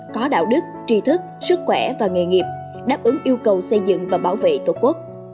có đạo đức trí thức sức khỏe và nghề nghiệp đáp ứng yêu cầu xây dựng và bảo vệ tổ quốc